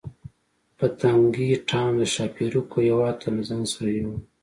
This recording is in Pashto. پتنګې ټام د ښاپیرکو هیواد ته له ځان سره یووړ.